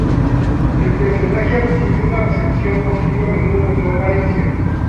El personaje ha recibido una recepción positiva a menudo por su apariencia.